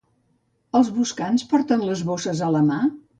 Els boscans porten les bosses a la mà?